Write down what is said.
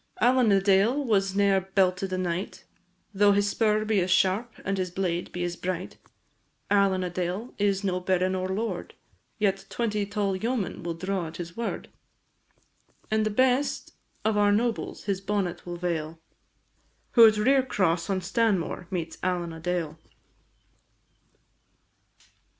Allen a Dale was ne'er belted a knight, Though his spur be as sharp, and his blade be as bright; Allen a Dale is no baron or lord, Yet twenty tall yeomen will draw at his word; And the best of our nobles his bonnet will vail, Who at Rere cross on Stanmore meets Allen a Dale.